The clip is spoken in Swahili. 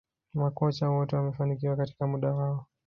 Makocha wote wamefanikiwa katika muda wao